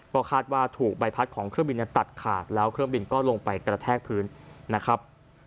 ก็คาดว่าถูกใบพัดของเครื่องบินตัดขาดแล้วเครื่องบินก็ลงไปกระแทกพื้นนะครับ